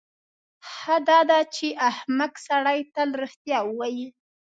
ښه داده چې احمق سړی تل رښتیا ووایي.